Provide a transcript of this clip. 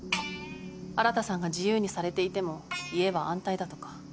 新さんが自由にされていても家は安泰だとか。